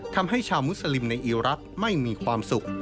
ทำให้ชาวมุสลิมในอีรักษ์ไม่มีความสุข